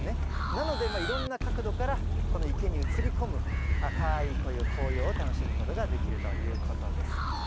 なので、いろんな角度から池に映り込む赤い、こういう紅葉を楽しむことができるということです。